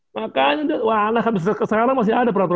makanya udah wah anak habis ke sekarang masih ada peraturan